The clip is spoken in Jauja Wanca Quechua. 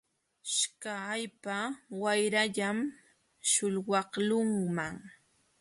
Śhllqa allpa wayrallam śhullwaqlunman.